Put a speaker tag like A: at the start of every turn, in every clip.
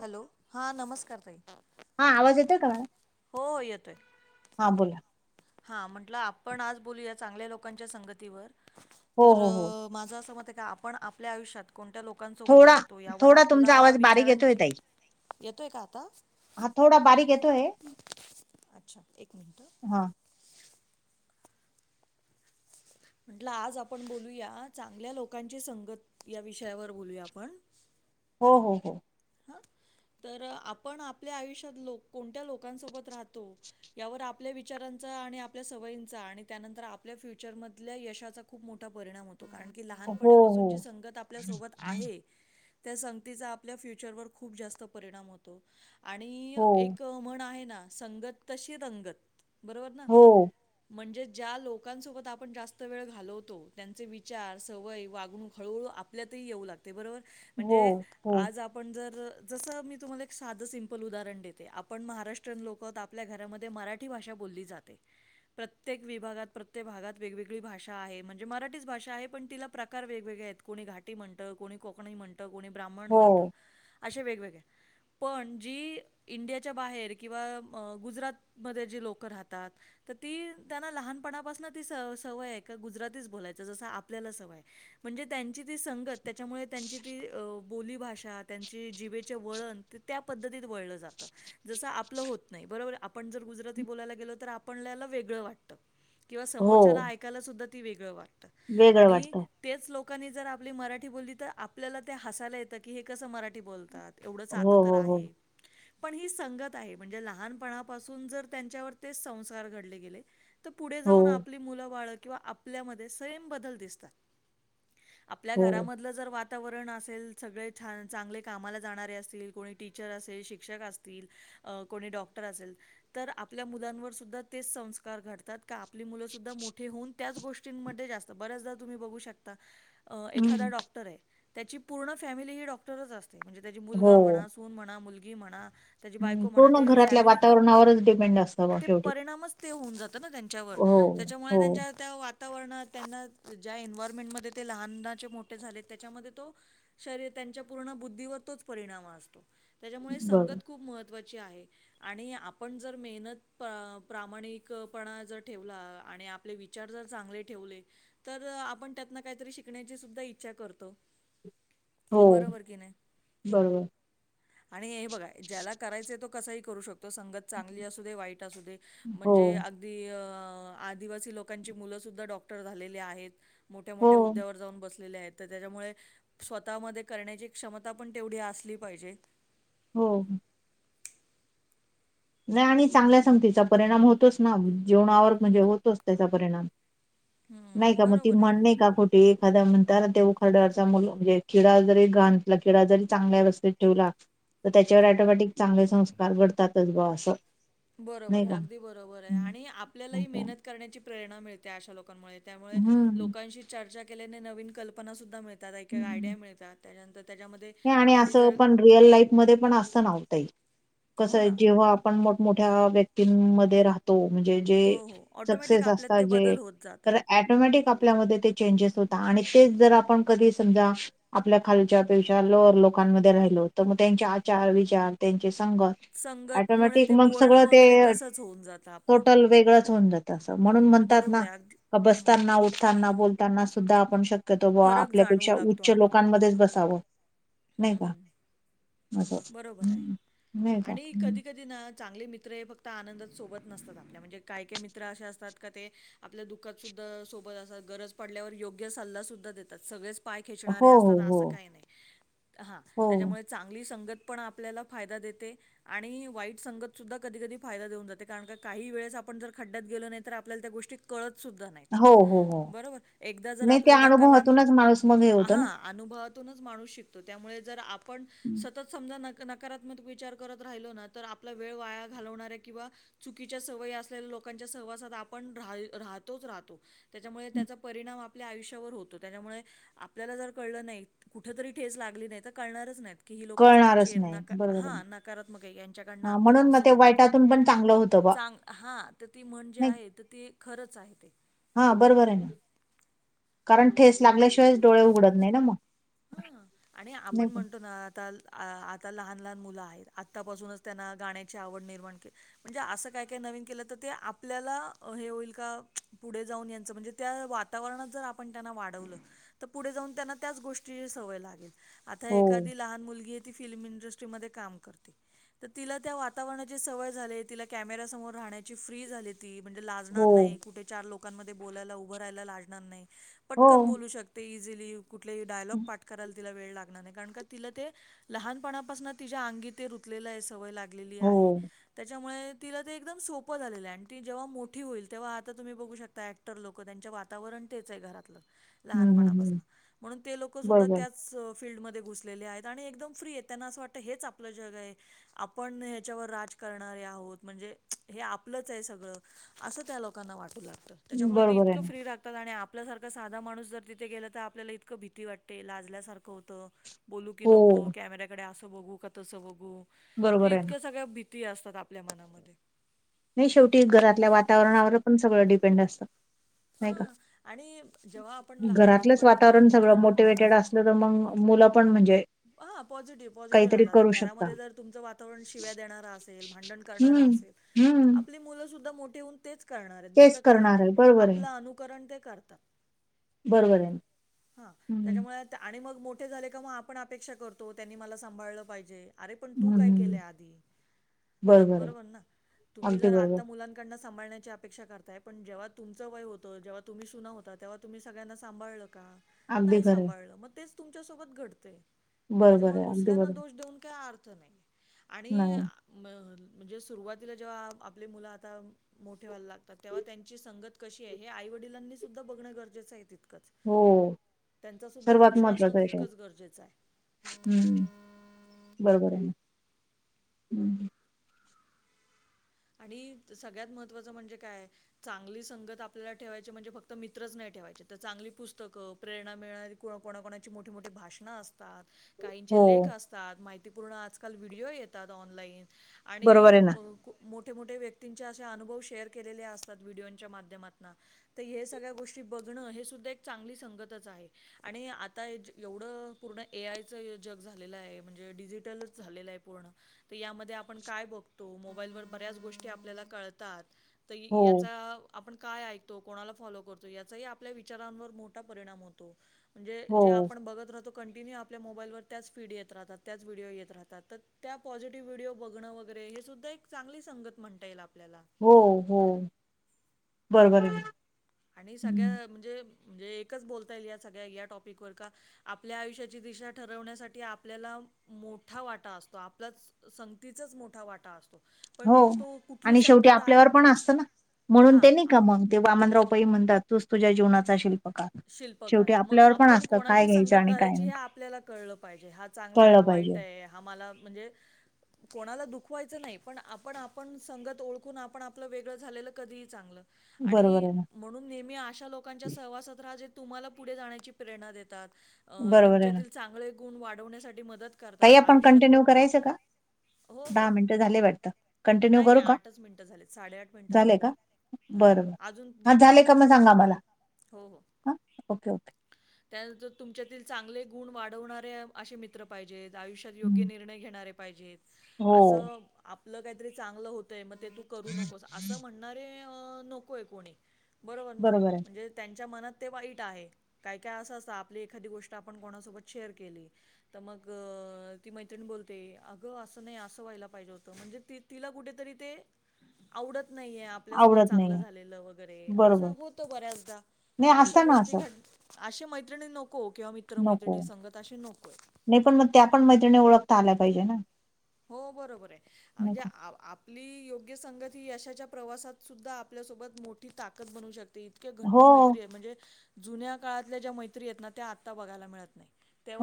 A: Hello हां नमस्कार ताई
B: हा आवाज येतोय का
A: हो येतोय
B: हां बोला
A: हां म्हटलं आपण आज बोलूया चांगल्या लोकांच्या संगतीवर
B: हो
A: तर
B: हो हो
A: माझं असं मत आहे का आपण आपल्या आयुष्यात कोणत्या लोकांसोबत
B: थोडा
A: राहतो यावर
B: थोडा तुमचा
A: आपला
B: आवाज बारीक येतोय
A: विचारांची
B: ताई.
A: येतोय का आता
B: हा थोडा बारीक येतोय
A: अच्छा एक मिनट
B: हा
A: म्हंटलं आज आपण बोलूया चांगल्या लोकांची संगत या विषयावर बोलूया आपण
B: हो हो हो
A: हा तर आपण आपल्या आयुष्यात लोक कोणत्या लोकांसोबत राहतो यावर आपल्या विचारांचा आणि आपल्या सवयींचा आणि त्यानंतर आपल्या फ्युचरमधल्या यशाचा खूप मोठा परिणाम होता
B: हो हो
A: ल सं आपल्याोत त्या आपल्या चर वर खूप जात परिणाम होतो आणि
B: हो
A: एक म्हण आहे ना संगत तशी दंगत बरोबर ना
B: हो
A: म्हणजे ज्या लोकांना लोकांसोबत आपण जास्त वेळ घालवतो त्यांचे विचार सवय वागणूक हळूहळू आपल्यातही येऊ लागते ते बरोबर म्हणजे
B: हो
A: आज आप पण जर जस मी तुम्हाला एक साध सिम्पल उदाहरण देते आपण महाराष्ट्रियन लोक आहोत आप आपल्या घरामध्ये मराठी भाषा बोलली जाते प्रत्येक विभागात प्रत्येक भागात वेगवेगळी भाषा आहे म्हणजे मराठीच भाषा आहे पण तिला प्रकार वेगवेगळे आहेत कोणी घाटी म्हणत, कोणी कोकणी म्हणतं, कोणी ब्राह्मण
B: हो
A: म्हणतं असे वेगवेगळे. पण जी इंडियाच्या बाहेर, किंवा गुजरातमध्ये जी लोक राहतात तर ती त्यांना लहानपणापासून ती स सवय आहे, का गुजरातीच बोलायचं, जसं आपल्याला सवय आहे. म्हणजे त्यांची ती संगत, त्याच्यामुळे त्यांची ती बोलीभाषा त्यांचे जीभेचे वळण, ते त्या पद्धतीत वळलं जातं. जसं आपलं होत नाही, बरोबर. आपण जर गुजराती बोलायला गेलो, तर आपणला वेगळं वाटतं. किंवा
B: हो
A: समोरच्याला ऐकायला सुुद्धा ती वेगळं वाटतं,
B: वेगळं
A: आणि
B: वाटतं
A: तेच लोकांनी जर आपली मराठी बोलली तर, आपल्याला ते हसायला येतं की, हे कसं मराठी बोलतात. येवढ साध
B: हो
A: तर
B: हो हो
A: आहे. पण ही संगत आहे, म्हणजे लहानपणापासून जर त्यांच्यावर ते संस्कार घडले गेले. तर पुढे
B: हो
A: जाऊन आपली मुलं बाळ, किंवा आपल्यामध्ये सैम बदल दिसतात. आपल्या
B: हो
A: घरामधलं जर वातावरण असेल, सगळे छान चांगले कामाला जाणारे असतील, कोणी टीचर असेल, शिक्षक असतील अ कोणी डॉक्टर असेल, तर आपल्या मुलांवर सुद्धा तेच संस्कार घडतात. का आपली मुलं सुद्धा मोठे होऊन त्याच गोष्टींमध्ये जास्त, बऱ्याचदा तुम्ही बघू शकता एखादा
B: हम्म.
A: डॉक्टर आहे, त्याची पूर्ण फॅमिली ही डॉक्टरच असते, म्हणजे त्याची
B: हो
A: मुलगा म्हणास सुन म्हणा, मुलगी म्हणा, त्याची
B: हम्म.
A: बायको म्हणा,
B: पूर्ण
A: ते
B: घरातल्या
A: फॅमिलीच
B: वातावरणावरच डिपेंड असतं बघ
A: ते
B: शेवटी
A: परिणामाच ते होऊन जात ना त्यांच्यावर,
B: हो
A: त्याच्यामुळे
B: हो
A: त्यांच्या त्या वात वातावरणात, त्यांना ज्या एन्वयरमेंटमध्ये ते लहनाचे मोठे झाले, त्याच्यामध्ये तो शरीर त्यांच्या पूर्ण बुद्धीवर तोच परिणाम असतो, त्याच्यामुळे
B: बरोबर
A: संगत खूप महत्त्वाची आहे. आणि आपण जर मेहनत, प प्रामाणिकपणा, जर ठेवला, आणि आपले विचार जर चांगले ठेवले, तर आपण त्यातनं काही शिकण्याची सुद्धा इच्छा करतो.
B: हो
A: बरोबर कि नाही,
B: बरोबर
A: आणि हे बघा ज्याला करायचंय तो कसाही करू शकतो, संगत चांगली असू दे, वाईट असू दे,
B: हो
A: म्हणजे दी आदिवासी लोकांची मुलं सुद्धा डॉक्टर झालेली आहेत. मोठ्या
B: हो
A: मोठ्या उद्यावर जाऊन बसलेले आहेत, तर त्याच्यामुळे स्वतः मध्ये करण्याची क्षमता पण तेवढी असली पाहिजे.
B: हो. नानी चांगल्या संगतीचा परिणाम होतोच ना, जीवनावर म्हणजे होतोच त्याचा परिणाम. नाही
A: हम्म
B: का, मग ती
A: बरोबर आहे
B: म्हण नाही कु एखादा म्हणतात ना, उघड्यावरच मूळ जे किडा जरी घाणीतला किडा जरी चांगल्या रस्त्यात ठेवला तर त्याच्यावर ॲटोमॅटीक चांगले संस्कार घडतातच बा असं.
A: बरोबर
B: नाही
A: आहे,
B: का.
A: अगदी बरोबर आहे, आणि आपल्यालाही
B: अच्छा
A: मेहनत करण्याची प्रेरणा मिळते, अशा लोकांमुळे त्यामुळे
B: हम्म
A: लोकांशी चर्चा केल्याने नवीन कल्पनासुद्धा मिळतात, एकायला आयडिया मिळतात. त्याच्यानंतर त्याच्यामध्ये
B: हे आणि
A: आपली
B: असं
A: जर
B: पण रिअल लाईफ मध्ये पण असताना हो ताई,
A: हो
B: कसय
A: ना
B: जेव्हा पण मोठमोठ्या व्यक्तीमध्ये राहतात तो म्हणजे जे
A: हो, हो. ऑटोमॅटिक
B: सक्सेस
A: आपल्यात
B: असतात,
A: ते
B: जे
A: बदल होत जातात.
B: ॲटोमॅटिक आपल्यामध्ये ते चेंजेस होता, आणि तेच जर आपण कधी समजा आपल्या खालच्यापेक्षा लोअर लोकांमध्ये राहिलो, तर मग त्यांचे आचार, विचार, त्यांचे संगत
A: संगतमुळे
B: ॲटोमॅटिक
A: ते
B: मग
A: बोलणं
B: सगळं
A: वगैरे
B: ते,
A: तसंच होऊन जातं आपलं.
B: टोटल वेगळंच होऊन जात. तसं म्हणून
A: हं,
B: म्हणतात
A: बरोबर
B: ना,
A: आहे अगदी.
B: का
A: हं.
B: बसताना, उठताना, बोलत ताना सुद्धा आपण शक्यतो बा,
A: फरक जाणवू
B: आपल्यापेक्षा उच्च लोकांमध्येच बसावं.
A: हम्
B: नाही का
A: हम्,
B: असं
A: बरोबर आहे.
B: हं. नाही का
A: आणि
B: हं.
A: कधी कधी ना चांगले मित्र हे फक्त आनंदात सोबत नसतात आपल्या म्हणजे काय काही मित्र असे असतात का ते आपल्या दुःखात सुद्धा सोबत असतात गरज पडल्यावर योग्य सल्ला सुद्धा देतात सगळेच पाय खेचणारे
B: हो हो
A: असतात
B: हो
A: अस काही नाही हा
B: हो
A: त्याच्यामुळे चांग ली संगत पण आपल्याला फायदा देते. आणि वाईट संगत सुद्धा कधी कधी फायदा देऊन जाते कारण का काही वेळेस आपण जर खड्डयात गेलो नाही तर आपल्याला त्या गोष्टी कळत सुद्धा नाही
B: हो हो हो
A: बरोबर? एकदा जर
B: नाही त्या
A: आपल्याला धक्का लाग
B: अनुभवातूनच माणूस मग हे होतं
A: हा.
B: ना
A: अनुभवातूनच माणूस शिकतो त्यामुळे जर आपण
B: हं,
A: सतत समजा न नकारात्मक विचार करत राहिलो ना तर आपला वेळ वाया घालवणारे किंवा चुकीच्या सवयी असलेल्या लोकांच्या सहवासात आपण रा राहतोच राहतो. त्याच्यामुळे
B: हं.
A: त्याचा परिणाम आपल्या आयुष्यावर होतो. त्याच्यामुळे आपल्याला जर कळलं नाही कुठ तरी ठेच लागली नाही तर कळणारच नाय. की ही लोकं चुकीची
B: कळणारच
A: आहेत
B: नाही
A: नका
B: बरोबर आहे
A: हा नकारात्मक आहे यांच्याकडनं
B: हा
A: आपल्याला
B: म्हणून मग
A: असं
B: ते
A: होत तस
B: वाईटातून पण चांगलं होतं बा
A: चांगल हा तर ती महन जी
B: नाही
A: आहे तर ती खरंच आहे ते.
B: हा बरोबरये कारण ठेच लागल्याशिवाय डोळे उघडत नाही ना मग?
A: हा आणि आपण
B: नाही का
A: म्हणतो ना आता आ आता लहान लहान मुलं आहेत आत्तापासूनच त्यांना गाण्याची आवड निर्माण केली म्हणजे असं काय काय नवीन केलं तर ते आपल्याला हे होईल का पुढे जाऊन यांच म्हणजे त्या वातावरणात जर आपण त्यांना वाढवलं तर पुढे जाऊ त्यांना त्याच गोष्टी सवय लागेल आता
B: हो
A: एखादी लहान मुलगीये ती फिल्म इंडस्ट्रीमध्ये काम करते. तर तिला त्या वातावरणाची सवय झालिये तिला कॅमेरा्या समोर राहण्याची फ्री झाली. ती म्हणजे लाजणार
B: हो
A: नाही कुठे चार लोकांमध्ये बोलायला उभ राहयला लागणार नाही
B: हो
A: पटकन बोलू शकत ते इझीली कुठलेही डायलॉग पाठ करायला तिला वेळ लागणार नाही. कारण का तिला ते लहानपणापासून तिच्या अंगी ते रुतलेलेय सवय लागल लागलेली
B: हो
A: आहे त्याच्यामुळे तिला ते एकदम सोपं झालीलये आणि ती जेव्हा मोठी होईल तेव्हा आता तुम्ही बघू शकता ऍक्टर लोक त्यांच्या वातावरणामध्ये वातावरण तेच आहे घरातलं
B: हम्म हम्म हम्म
A: लहानपणापासून म्हणून ते लोक सुधा
B: बरोबर
A: त्या सो त्याच फीलल्डमध्ये घुसलेले आहेत आणि एकदम फ्री आहे त्यांना असं वाटतं हेच आपलं जगये. आपण ह्याच्यावर राज करणारे आहोत म्हणजे हे आपलंच ये सगळं. असं त्या लोकांना वाटू लागतं. त्याच्यामुळे ते
B: बरोबर
A: इतक
B: आहे ना
A: फ्री राहतात आणि आपल्यासारखा साधा माणूस जर तिथे गेला तर आपला इतकं भीती वाट ते लाजल्यासारखं होतं बोलू की
B: हो
A: नको कॅमेऱ्याकडे असं बघू का तसं बघू?
B: बरोबर आहे ना
A: इतक्या सगळ्या भीती असतात आपल्या मनामध्ये
B: नाही शेवटी घरातल्या वातावरणावर पण सगळं डिपेंड असतं. नाही का?
A: हा आणि जेव्हा आपण
B: घरातलंच
A: लहानपणी जेव्हा
B: वातावरण
A: मित्र
B: सगळं
A: नि
B: मोटिवेटेड असत. मग मुलं पण म्हणजे
A: हा पॉझिटिव्ह, पॉझिटिव्ह
B: काहीतरी
A: राहत आता
B: करू शकता
A: घरामध्ये जर तुमचं वातावरण शिव्या देणारं असेल भांडण करणारा
B: हम्म
A: असेल.
B: हम्म
A: आपली मुलं सुद्धा मोठे होऊन तेच करणारयेत
B: तेच
A: दुसरं काही
B: करणार
A: नाही
B: आहे बरोबर आहे
A: आपलं अनुकरण ते करतात.
B: बरोबर आहे
A: हा
B: हम्म
A: त्याच्यामुळे आणि मग मोठे झाले का मग आपण अपेक्षा करतो त्यांनी मला सांभाळलं पाहिजे. अरे! पण तू काय
B: हम्म
A: केलंय आधी बरोबर ना तुम्ही
B: अगदी
A: जर
B: बरोबर
A: आता मुलांना सांभाळण्याची अपेक्षा करताय पण जेव्हा तुमचं वय होतं जेव्हा तुम्ही सुना होता तेव्हा तुम्ही सगळ्यांना सांभाळलं का
B: अगदी
A: नाही
B: खरं आहे
A: सांभाळलं मग तेच तुमच्यासोबत घडतय.
B: बरोबर
A: त्याच्यामुळे
B: आहे अगदी
A: दुसऱ्यांना
B: बरोबर
A: दोष देऊन काही अर्थ नाही आणि
B: नाही
A: म म्हणजे सुरुवातीला जेव्हा आपले मुलं आता मोठे व्हायला लागतात तेव्हा त्यांची संगत कशी आहे हे आई वडिलांनी सुद्धा बघणं गरजेचं आहे तितकंच.
B: हो
A: त्यांच सुद्धा
B: सर्वात
A: लक्ष असणं
B: महत्त्वाचं आहे ते
A: तितकंच गरजेचं आहे.
B: हम्म बरोबर आहे हम्म.
A: आणि सगळ्यात महत्त्वाचं म्हणजे काय चांगली संगत आपल्याला ठेवायची म्हणजे फक्त मित्रच नाही ठेवायचे तर चांगली पुस्तकं प्रेरणा मिळणारी कोणाकणाची मोठी मोठी भाषणं अस तात
B: हो
A: काहीचे लेख असतात माहितीपूर्ण आजकाल व्हिडिओ येतात ऑनलाईन आणि
B: बरोबर आहे ना
A: ब मोठे मोठे व्यक्तींचे अशे अनुभव शेअर केलेले असतात व्हिडिओच्या माध्यमातन तर हे सगळ्या गोष्टी बघणं हे सुद्धा एक चांगली संगतच आहे. आणि आता एवढं पूर्ण ए आयचं जग झालेलं आहे म्हणजे डिजिटलच झालेलं आहे पूर्ण तर यामध्ये आपण काय बघतो मोबाईलवर बऱ्याच गोष्टी आपल्याला कळतात तर
B: हो
A: याचा आपण काय ऐकतो कोणाला फॉलो करतो याचाही आपल्या विचारांवर मोठा परिणाम होतो. म्हणजे
B: हो
A: जे आपण बघत राहतो. कंटिन्यू आपल्या मोबाईलवर त्याच फीड येत राहतात त त्या पॉझिटिव्ह व्हडिओ बघणं व वगैरे हे सुद्धा एक चांगली संगत म्हणता येईल आपल्याला.
B: हो हो बरोबर आहे.
A: आणि सगळ्या म्हणजे म्हणजे एकच बोलता येईल या सगळ्या या टॉपिकवर का आपल्या आयुष्याची दिशा ठरवण्यासाठी आपल्याला मोठा वाटा असतो आपलाच संगतीचाच मोठा वाटा असतो.
B: हो
A: पण तो कुठली
B: आणि शेवटी
A: संगत आहे
B: आपल्यावर पण असतं ना म्हणून
A: हां.
B: ते नाही का मंग ते वामनराव पाही म्हणतात तूच तुझ्या जीवनाचा शिल्पकार.
A: शिल्पकार
B: शेवटी
A: आहे मग
B: आपल्यावर पण
A: आपण
B: असतं काय
A: कोणाची
B: घ्यायचं
A: संगत
B: आणि काय
A: धरायची हे
B: नाही
A: आपल्याला कळलं पाहिजे हा चांगला आहे
B: कळलं
A: हा वाईट
B: पाहिजे
A: आहे हा मला म्हणजे कोणाला दुखवायचं नाही पण आपण आपण संगत ओळखून आपण आपलं वेगळं झालेलं कधीही चांगलं.
B: बरोबर
A: आणि
B: आहे ना
A: म्हणून नेहमी अशा लोकांच्या सहवासात त्राजे तुम्हाला पुढे जाण्याची प्रेरणा देतात अ
B: बरोबर आहे
A: तुमच्या
B: ना
A: तील चांगले गुण वाढवण्यासाठी मदत
B: ताई
A: करतात.
B: आपण
A: आयुष्यात
B: कंटिन्यू करायचं का?
A: हो, हो.
B: दहा मिनट झाले वाटतं कंटिन्यू
A: नाही,
B: करू
A: नाही
B: का
A: मिनिटं झालेत. मिनिटं
B: झालेय
A: झालेत.
B: का.
A: हां, हां.
B: बरोबर
A: अजून
B: हा झाले
A: मिनिटं
B: का
A: आहे.
B: मग सांगा मला.
A: हो हो.
B: हा ओके ओके.
A: त्यानंतर तुमच्यातील चांगले गुण वाढवणाऱ्या असे मित्र पाहिजेत आयुष्यात योग्य
B: हम्म.
A: निर्णय घेणारे पाहिजेत
B: हो
A: असं आपलं काहीतरी चांगलं होतंय मग ते तू करू नकोस असं म्हणणारे अ नकोय कोणी. बरोबर ना म्हणजे त्यांच्या मनात ते वाईट आहे काय काय असं असतं आपली एखादी गोष्ट आपण कोणासोबत शेअर केली तर मग ती मैत्रिणी बोलते अगं असं नाही असं व्हायला पाहिजे होतं म्हणजे ती तिला कुठेतरी ते आवडत नाहीये आप आपल्यासोबत
B: आवडत
A: चांगलं
B: नाही
A: झालेलं वगैरे असं
B: बरोबर
A: होतं बऱ्याचदा
B: नाही
A: तर अशा
B: असतं ना
A: गोष्टी
B: असं
A: घड अशे मैत्रिणी नको किंवा मित्र
B: नको
A: मैत्रिणी संगत अशी नको.
B: नाही पण मग त्या पण मैत्रिणी ओळखता आल्या पाहिजे ना.
A: हो बरोबर आहे म्हणजे अ
B: नको
A: आप आपली योग्य संगत ही यशाच्या प्रवासात सुद्धा आपल्यासोबत मोठी ताकद बनू शकते इतके घट्ट
B: हो
A: मैत्री आहेत म्हणजे जुन्या काळातल्या ज्या मैत्री आहेत ना त्या आता बघायला मिळत नाही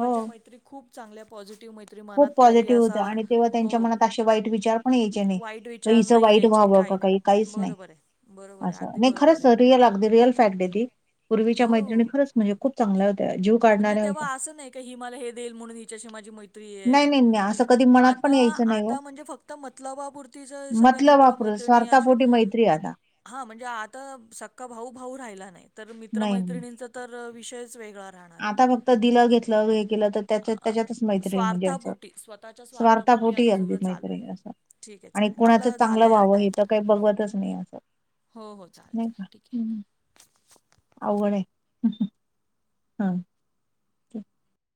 B: हो
A: मैत्री खूप चांगल्या पॉझिटिव्ह मैत्री
B: खूप
A: मनात काही
B: पॉझिटिव्ह
A: असा
B: होता आणि तेव्हा
A: हो
B: त्यांच्या मनात असे वाईट विचार पण यायचे नाही
A: वाईट
B: का
A: विचार
B: इचं
A: नाही
B: वाईट
A: यायचे
B: व्हावं का
A: नाही.
B: काही काहीच नाही
A: बरोबर आहे, बरोबर आहे,
B: असं
A: अगदी
B: नाही
A: बरोबर
B: खरच
A: आहे.
B: रिअल अगदी रिअल फॅक्ट आहे ती पूर्वीच्या
A: हो
B: मैत्रिणी खरच म्हणजे खूप चांग होत्या जी
A: म्हणजे तेव्हा असं नाही का हि मला हे देई म्हणून हिच्याशी माझ माहिती
B: नाही नाही नाही असं कधी मनात पण
A: आता
B: यायचं नाही हो
A: आता म्हणजे फक्त मतलबापुरती सगळ
B: मतलब वापरू स्वार्तापोटी मैत्री आता
A: हा म्हणजे आता सक्का भाऊ भाऊ राहिला नाही तर
B: नाही नाही
A: मित्रमैत्रिणींचा तर विषयच वेगळा राहणार आहे.
B: आता फक्त दिलं घेतलं हे केलं तर त्या
A: अ,
B: त्याच्यातच मैत्रीणी म्हणजे असं
A: स्वार्थापोटी स्वतःच्या
B: स्वार्थ
A: स्वार्थापोटी
B: पोटी
A: आता
B: अदी
A: सगळं
B: मत
A: चालू आहे.
B: असं
A: ठीक आहे
B: आणि
A: चालेल
B: कुणाचं
A: आपला
B: चांगलं
A: झालाय हा
B: व्हावं हे
A: टाईम
B: तर काही बघतच नाही असं
A: हो हो चालेल चालेल ठीक आहे
B: अवघण आहे हा अ